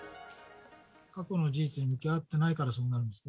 過去の事実に向き合ってないからそうなるんです。